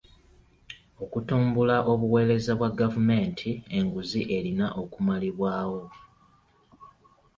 Okutumbula obuweereza bwa gavumenti enguzi erina okumalibwawo.